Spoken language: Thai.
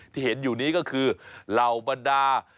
ที่เห็นอยู่นี้ก็คือเหล่าบรรดา